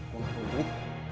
gue gak butuh duit